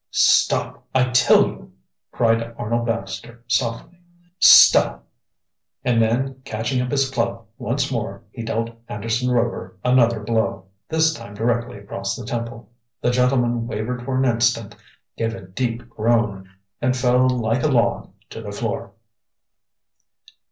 "Stop, I tell you!" cried Arnold Baxter softly. "Stop!" And then, catching up his club once more, he dealt Anderson Rover another blow, this time directly across the temple. The gentleman wavered for an instant, gave a deep groan, and fell like a log to the floor.